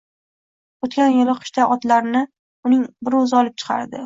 O`tgan yili qishda otlarni uning bir o`zi olib chiqardi